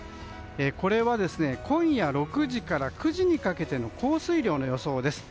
これは今夜６時から９時にかけての降水量の予想です。